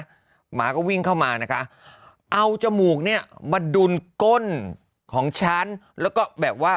หมาก็วิ่งเข้ามานะคะเอาจมูกเนี่ยมาดุลก้นของฉันแล้วก็แบบว่า